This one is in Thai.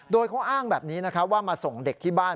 โดยเขาอ้างแบบนี้นะครับว่ามาส่งเด็กที่บ้าน